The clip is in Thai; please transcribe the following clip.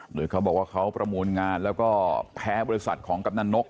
โดยเขาบอกว่าเขาประมูลงานแล้วก็แพ้บริษัทของกำนันนก